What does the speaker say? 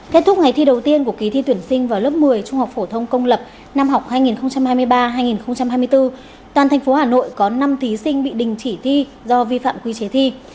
kết thúc ngày thi đầu tiên của kỳ thi tuyển sinh vào lớp một mươi trung học phổ thông công lập năm học hai nghìn hai mươi ba hai nghìn hai mươi bốn toàn thành phố hà nội có năm thí sinh bị đình chỉ thi do vi phạm quy chế thi